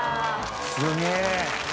すげえ。